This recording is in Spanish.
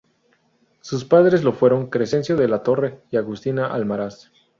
Sus padres lo fueron Crescencio de la Torre y Agustina Almaraz.